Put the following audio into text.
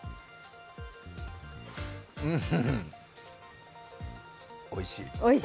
うーんおいしい。